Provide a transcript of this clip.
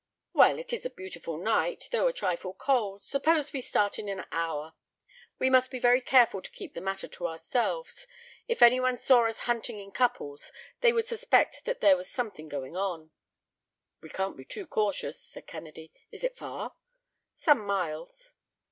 "Well, it is a beautiful night—though a trifle cold. Suppose we start in an hour. We must be very careful to keep the matter to ourselves. If anyone saw us hunting in couples they would suspect that there was something going on." "We can't be too cautious," said Kennedy. "Is it far?" "Some miles."